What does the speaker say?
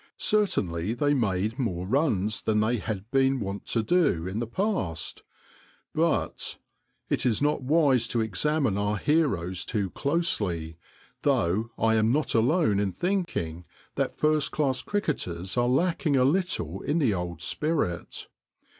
Certainly they made more runs than they had been wont to do in the past, but It is not wise to examine our heroes too closely, though I am not alone in thinking that first class cricketers are lacking a little in the old spirit.